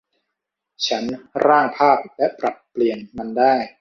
ฉันร่างภาพและปรับเปลี่ยนมันได้